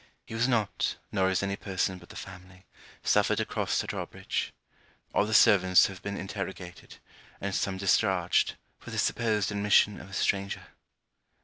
He was not, nor is any person but the family, suffered to cross the draw bridge. All the servants have been interrogated, and some discharged, for the supposed admission of a stranger.